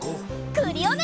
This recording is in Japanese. クリオネ！